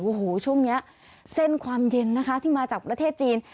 โอ้โหช่วงนี้เส้นความเย็นนะคะที่มาจากประเทศจีน